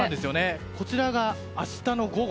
こちらが明日の午後。